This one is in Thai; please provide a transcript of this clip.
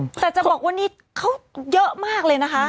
แต่จะบอกว่านี่เขาเยอะมากเลยนะคะ